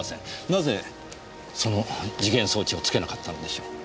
なぜその時限装置を付けなかったのでしょう？